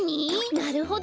なるほど。